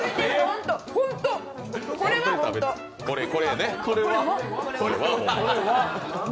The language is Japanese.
これはね。